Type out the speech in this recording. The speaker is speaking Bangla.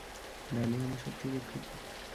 ডার্লিং, আমি সত্যিই দুঃখিত।